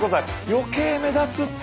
余計目立つって！